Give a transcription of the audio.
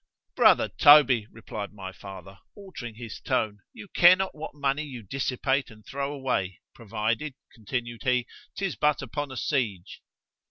—— Brother Toby, replied my father, altering his tone, you care not what money you dissipate and throw away, provided, continued he, 'tis but upon a SIEGE.